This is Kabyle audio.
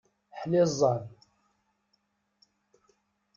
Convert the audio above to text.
Ḥliẓẓan!